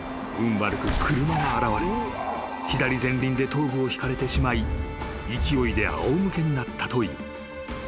悪く車が現れ左前輪で頭部をひかれてしまい勢いであお向けになったという］